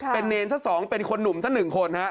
เป็นเนรสัก๒เป็นคนหนุ่มสัก๑คนฮะ